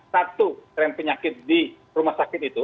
satu tren penyakit di rumah sakit itu